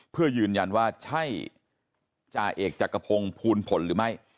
เพื่อยืนยันว่าใช่จ่าเอกจักรพงศ์ภูลผลหรือไม่